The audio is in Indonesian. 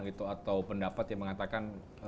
atau pendapat yang mengatakan